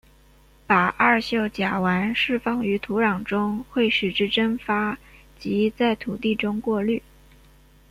把二溴甲烷释放于土壤中会使之蒸发及在土地中过滤。